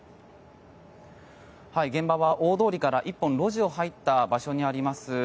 現場は大通りから１本路地を入った場所にあります